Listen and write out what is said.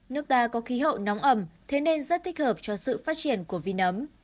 nước ta có khí hậu nóng ẩm thế nên rất thích hợp cho sự phát triển của vi nấm